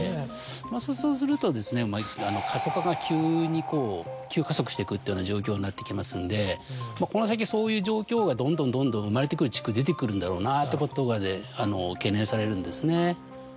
そうすると過疎化が急に急加速してくというような状況になってきますんでこの先そういう状況がどんどん生まれてくる地区出てくるんだろうなってことが懸念されるんですね。